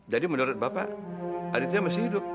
jadi menurut bapak aditya masih hidup